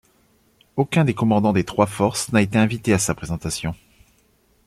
Aucun des commandants des trois forces n'a été invité à sa présentation.